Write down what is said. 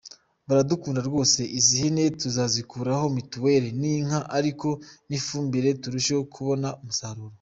Baradukunda rwose, izi hene tuzazikuraho mituweri n’inka ariko n’ifumbire turusheho kubona umusaruro.